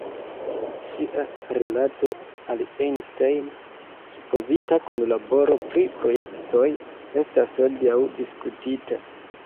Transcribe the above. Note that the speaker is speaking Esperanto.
Ŝia rilato al Einstein, supozita kunlaboro pri projektoj estas hodiaŭ diskutita.